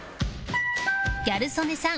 ギャル曽根さん